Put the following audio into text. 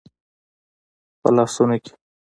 په لاسونو کې